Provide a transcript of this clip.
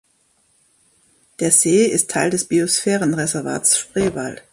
Der See ist Teil des Biosphärenreservats Spreewald.